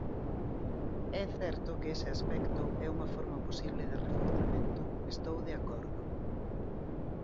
É certo que ese aspecto é unha forma posible de reforzamento, estou de acordo.